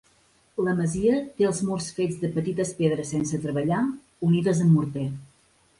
La masia té els murs fets de petites pedres sense treballar unides amb morter.